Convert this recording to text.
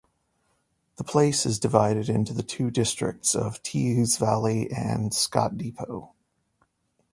The place is divided into the two districts of Teays Valley and Scott Depot.